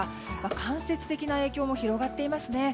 間接的な影響も広がっていますね。